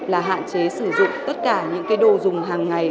là hạn chế sử dụng tất cả những cái đồ dùng hàng ngày